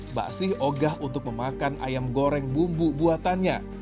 mbak sih ogah untuk memakan ayam goreng bumbu buatannya